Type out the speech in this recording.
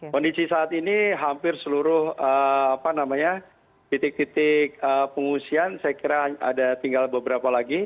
kondisi saat ini hampir seluruh titik titik pengungsian saya kira ada tinggal beberapa lagi